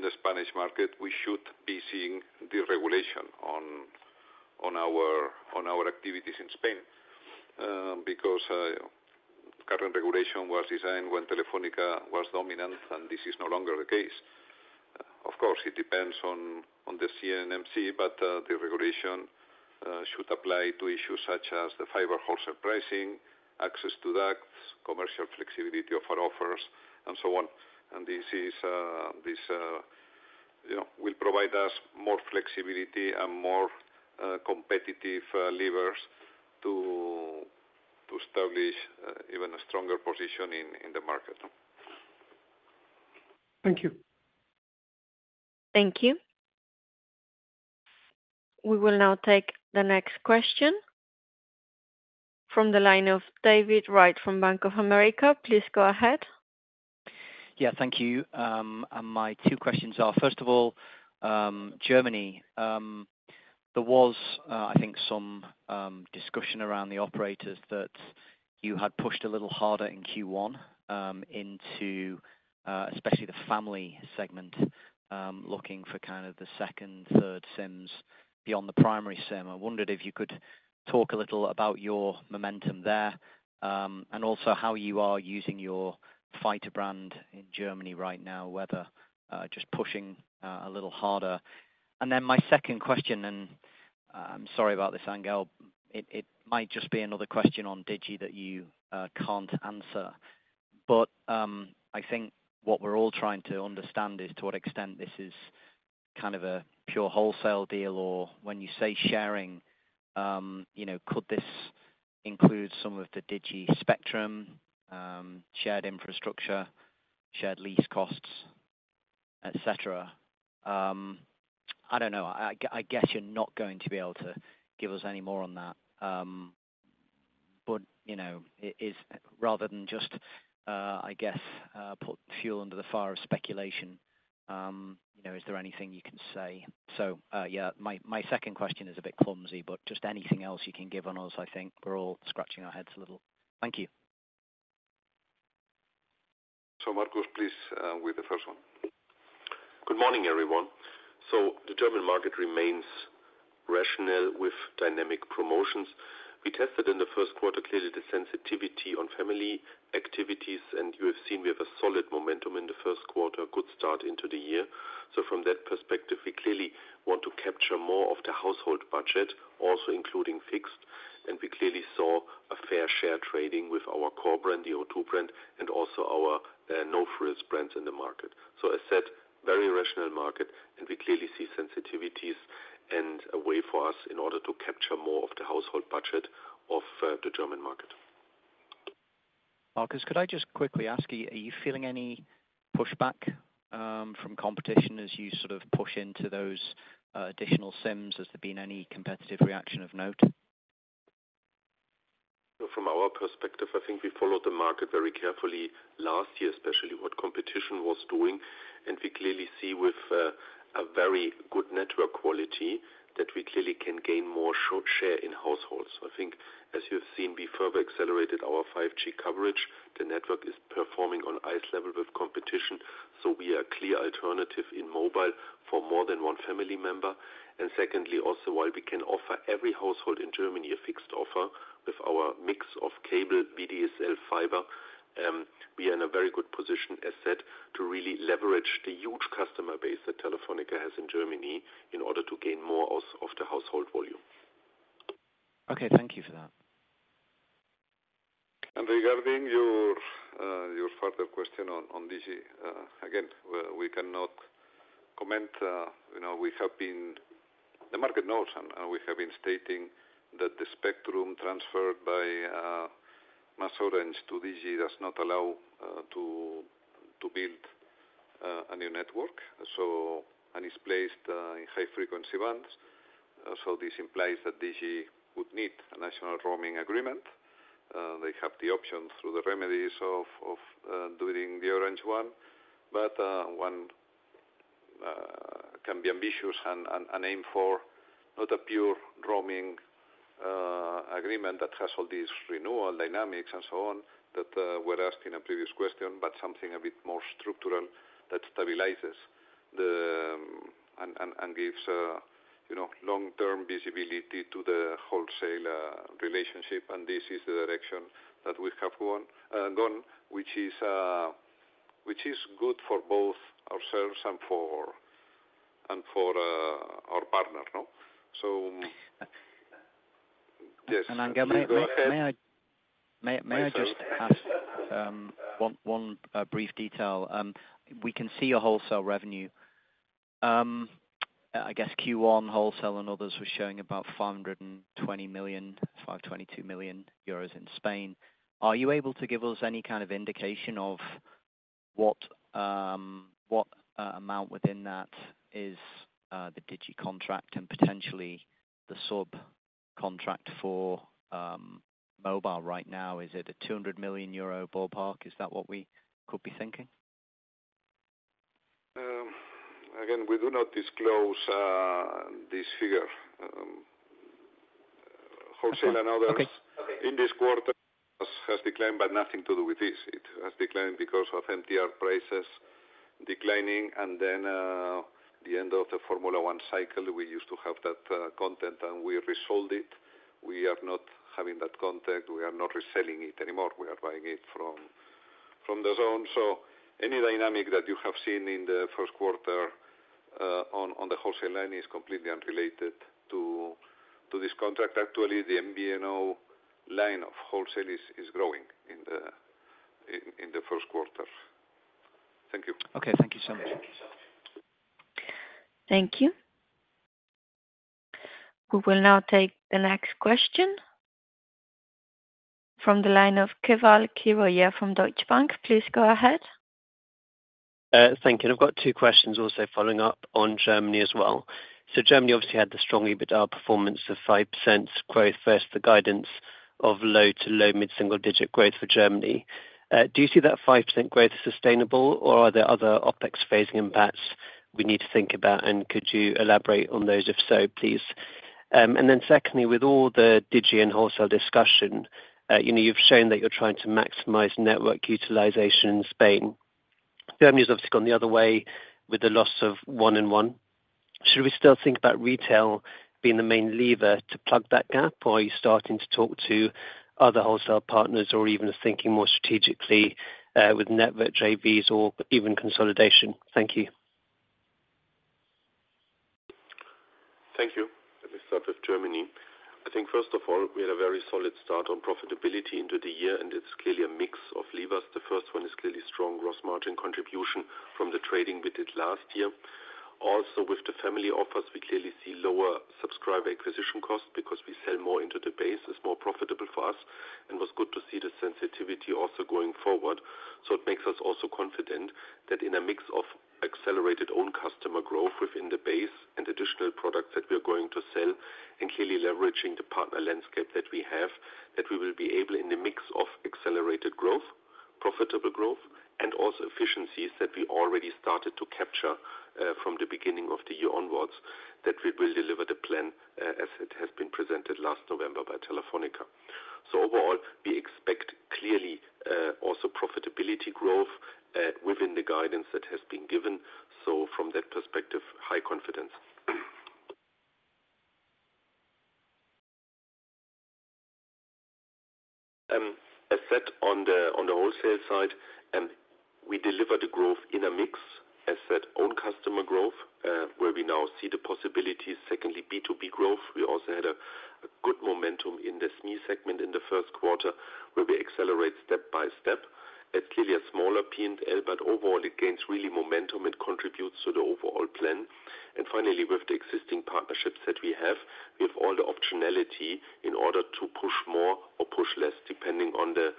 the Spanish market, we should be seeing deregulation on our activities in Spain because current regulation was designed when Telefónica was dominant, and this is no longer the case. Of course, it depends on the CNMC, but the regulation should apply to issues such as the fiber wholesale pricing, access to ducts, commercial flexibility of our offers, and so on. And this will provide us more flexibility and more competitive levers to establish even a stronger position in the market, no? Thank you. Thank you. We will now take the next question from the line of David Wright from Bank of America. Please go ahead. Yeah, thank you. And my two questions are, first of all, Germany. There was, I think, some discussion around the operators that you had pushed a little harder in Q1 into, especially the family segment, looking for kind of the second, third SIMs beyond the primary SIM. I wondered if you could talk a little about your momentum there and also how you are using your fighter brand in Germany right now, whether just pushing a little harder. And then my second question, and I'm sorry about this, Ángel. It might just be another question on Digi that you can't answer. But I think what we're all trying to understand is to what extent this is kind of a pure wholesale deal, or when you say sharing, could this include some of the Digi spectrum, shared infrastructure, shared lease costs, etc.? I don't know. I guess you're not going to be able to give us any more on that. But rather than just, I guess, put fuel under the fire of speculation, is there anything you can say? So yeah, my second question is a bit clumsy, but just anything else you can give on us, I think. We're all scratching our heads a little. Thank you. So Markus, please with the first one? Good morning, everyone. So the German market remains rational with dynamic promotions. We tested in the first quarter clearly the sensitivity on family activities, and you have seen we have a solid momentum in the first quarter, good start into the year. So from that perspective, we clearly want to capture more of the household budget, also including fixed. And we clearly saw a fair share trading with our core brand, the O2 brand, and also our no-frills brands in the market. So as said, very rational market, and we clearly see sensitivities and a way for us in order to capture more of the household budget of the German market. Markus, could I just quickly ask you, are you feeling any pushback from competition as you sort of push into those additional SIMs? Has there been any competitive reaction of note? From our perspective, I think we followed the market very carefully last year, especially what competition was doing. We clearly see with a very good network quality that we clearly can gain more share in households. I think as you have seen, we further accelerated our 5G coverage. The network is performing on par level with competition, so we are a clear alternative in mobile for more than one family member. And secondly, also, while we can offer every household in Germany a fixed offer with our mix of cable, VDSL, fiber, we are in a very good position, as said, to really leverage the huge customer base that Telefónica has in Germany in order to gain more of the household volume. Okay. Thank you for that. And then you're regarding your further question on Digi. Again, we cannot comment. The market knows, and we have been stating that the spectrum transferred by MasOrange to Digi does not allow to build a new network, and it's placed in high-frequency bands. So this implies that Digi would need a national roaming agreement. They have the option through the remedies of doing the Orange one. But one can be ambitious and aim for not a pure roaming agreement that has all these renewal dynamics and so on that were asked in a previous question, but something a bit more structural that stabilizes and gives long-term visibility to the wholesale relationship. And this is the direction that we have gone, which is good for both ourselves and for our partner, no? So yes, go ahead. And may I just ask one brief detail? We can see your wholesale revenue. I guess Q1 wholesale and others was showing about 520 million, 522 million euros in Spain. Are you able to give us any kind of indication of what amount within that is the Digi contract and potentially the subcontract for mobile right now? Is it a 200 million euro ballpark? Is that what we could be thinking? Again, we do not disclose this figure. Wholesale and others in this quarter has declined, but nothing to do with this. It has declined because of MTR prices declining. And then at the end of the Formula One cycle, we used to have that content, and we resold it. We are not having that content. We are not reselling it anymore. We are buying it from DAZN. So any dynamic that you have seen in the first quarter on the wholesale line is completely unrelated to this contract. Actually, the MVNO line of wholesale is growing in the first quarter. Thank you. Okay. Thank you so much. Thank you so much. Thank you. We will now take the next question from the line of Keval Khiroya from Deutsche Bank. Please go ahead. Thank you. And I've got two questions also following up on Germany as well. So Germany obviously had the strong beat-out performance of 5% growth versus the guidance of low to low mid-single-digit growth for Germany. Do you see that 5% growth sustainable, or are there other OpEx-phasing impacts we need to think about? And could you elaborate on those? If so, please. And then secondly, with all the Digi and wholesale discussion, you've shown that you're trying to maximize network utilization in Spain. Germany is obviously going the other way with the loss of 1&1. Should we still think about retail being the main lever to plug that gap, or are you starting to talk to other wholesale partners or even thinking more strategically with network JVs or even consolidation? Thank you. Thank you. Let me start with Germany. I think, first of all, we had a very solid start on profitability into the year, and it's clearly a mix of levers. The first one is clearly strong gross margin contribution from the trading we did last year. Also, with the family offers, we clearly see lower subscriber acquisition costs because we sell more into the base. It's more profitable for us, and it was good to see the sensitivity also going forward. So it makes us also confident that in a mix of accelerated own customer growth within the base and additional products that we are going to sell and clearly leveraging the partner landscape that we have, that we will be able, in the mix of accelerated growth, profitable growth, and also efficiencies that we already started to capture from the beginning of the year onwards, that we will deliver the plan as it has been presented last November by Telefónica. So overall, we expect clearly also profitability growth within the guidance that has been given. So from that perspective, high confidence. As said, on the wholesale side, we deliver the growth in a mix, as said, own customer growth where we now see the possibilities. Secondly, B2B growth. We also had a good momentum in the SME segment in the first quarter where we accelerate step by step. It's clearly a smaller P&L, but overall, it gains real momentum and contributes to the overall plan. Finally, with the existing partnerships that we have, we have all the optionality in order to push more or push less depending on the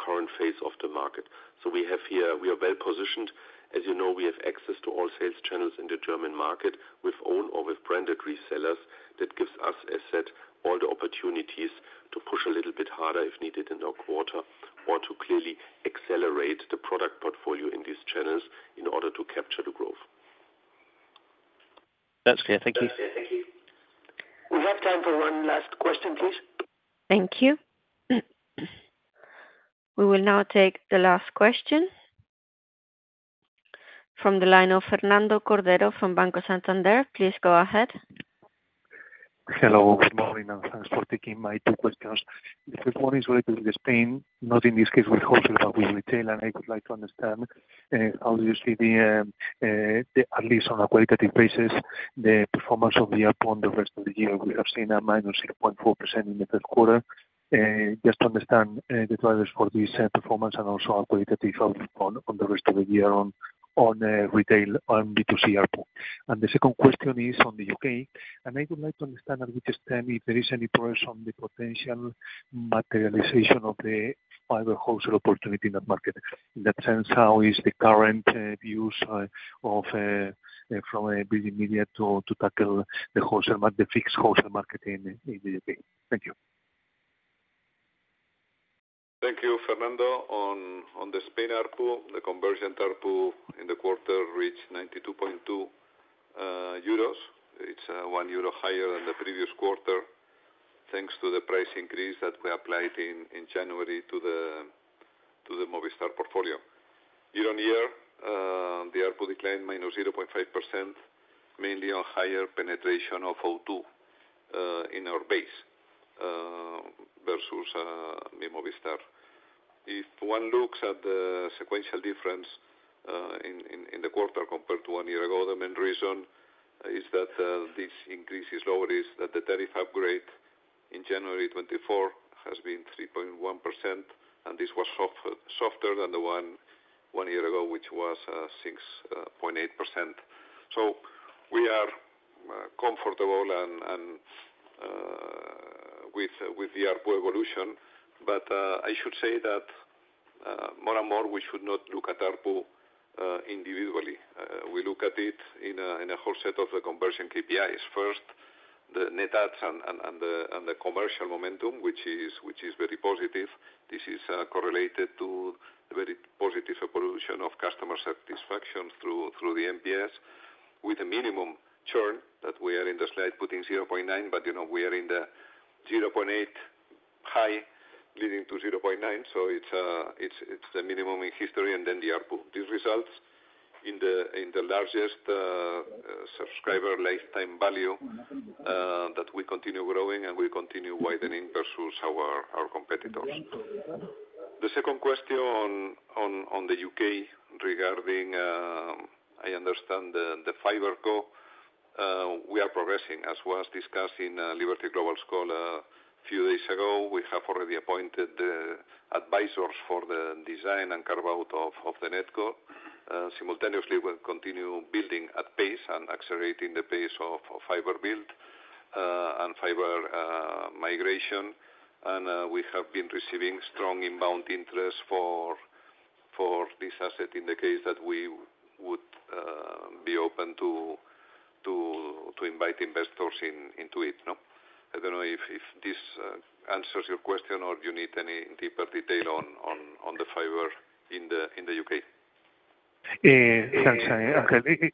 current phase of the market. So we are well positioned. As you know, we have access to all sales channels in the German market with own or with branded resellers. That gives us, as said, all the opportunities to push a little bit harder if needed in our quarter or to clearly accelerate the product portfolio in these channels in order to capture the growth. That's clear. Thank you. Thank you. We have time for one last question, please. Thank you. We will now take the last question from the line of Fernando Cordero from Banco Santander. Please go ahead. Hello. Good morning, and thanks for taking my two questions. The first one is related to Spain, not in this case with wholesale, but with retail. And I would like to understand how do you see the, at least on a qualitative basis, the performance of the ARPU on the rest of the year. We have seen a -0.4% in the first quarter. Just to understand the drivers for this performance and also your qualitative outcome on the rest of the year on retail, on B2C ARPU. And the second question is on the U.K. And I would like to understand to what extent if there is any progress on the potential materialization of the fiber wholesale opportunity in that market. In that sense, how is the current view from VMO2 to tackle the fixed wholesale market in the U.K.? Thank you. Thank you, Fernando. On the Spain ARPU, the converged ARPU in the quarter reached 92.2 euros. It's 1 euro higher than the previous quarter thanks to the price increase that we applied in January to the Movistar portfolio. Year-over-year, the ARPU declined -0.5% mainly on higher penetration of O2 in our base versus miMovistar. If one looks at the sequential difference in the quarter compared to one year ago, the main reason is that this increase is lower, that the tariff upgrade in January 2024 has been 3.1%, and this was softer than the one year ago, which was 6.8%. So we are comfortable with the ARPU evolution. But I should say that more and more, we should not look at ARPU individually. We look at it in a whole set of the converged KPIs. First, the net adds and the commercial momentum, which is very positive. This is correlated to the very positive evolution of customer satisfaction through the NPS with a minimum churn that we are in the slide putting 0.9, but we are in the 0.8 high leading to 0.9. So it's the minimum in history, and then the ARPU. This results in the largest subscriber lifetime value that we continue growing, and we continue widening versus our competitors. The second question on the U.K. regarding, I understand, the FiberCo, we are progressing. As was discussed in Liberty Global call a few days ago, we have already appointed the advisors for the design and carve out of the NetCo. Simultaneously, we continue building at pace and accelerating the pace of fiber build and fiber migration. And we have been receiving strong inbound interest for this asset in the case that we would be open to invite investors into it, no? I don't know if this answers your question or you need any deeper detail on the fiber in the U.K. Okay.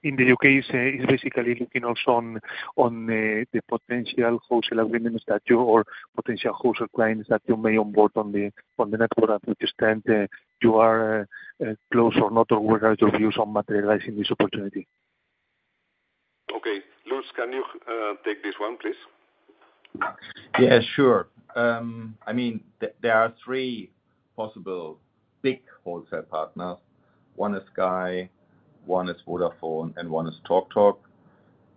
In the U.K., it's basically looking also on the potential wholesale agreements that you or potential wholesale clients that you may onboard on the network. At which extent you are close or not, or what are your views on materializing this opportunity? Okay. Lutz, can you take this one, please? Yeah. Sure. I mean, there are three possible big wholesale partners. One is Sky, one is Vodafone, and one is TalkTalk.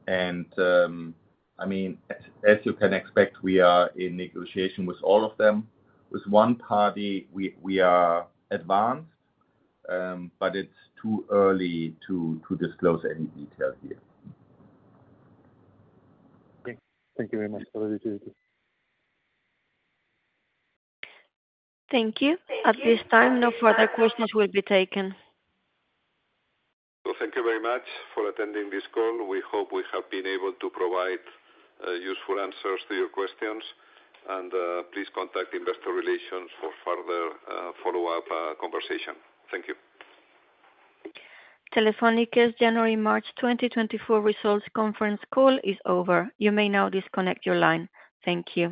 And I mean, as you can expect, we are in negotiation with all of them. With one party, we are advanced, but it's too early to disclose any detail here. Okay. Thank you very much for the details. Thank you. At this time, no further questions will be taken. Well, thank you very much for attending this call. We hope we have been able to provide useful answers to your questions. Please contact Investor Relations for further follow-up conversation. Thank you. Telefónica's January-March 2024 results conference call is over. You may now disconnect your line. Thank you.